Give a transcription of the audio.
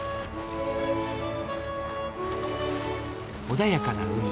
穏やかな海